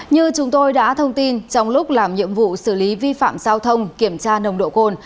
như chúng tôi đã thông tin trong lúc làm nhiệm vụ xử lý vi phạm giao thông kiểm tra nồng độ cồn